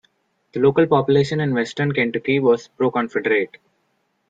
The local population in western Kentucky was pro-Confederate.